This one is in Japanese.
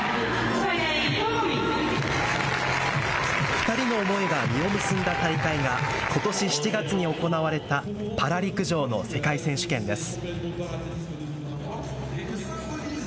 ２人の思いが実を結んだ大会がことし７月に行われたパラ陸上の世界選手権です。